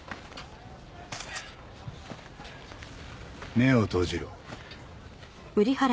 目を閉じろ。